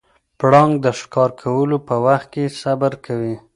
پړانګ د ښکار کولو په وخت کې صبر کوي.